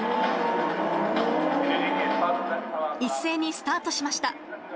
一斉にスタートしました。